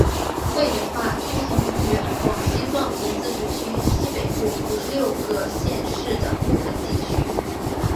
桂柳话通行于广西壮族自治区西北部五十六个县市的部分地区。